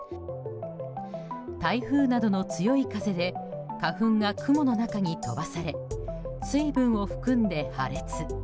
台風などの強い風で花粉が雲の中に飛ばされ水分を含んで破裂。